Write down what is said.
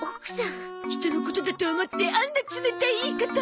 人のことだと思ってあんな冷たい言い方！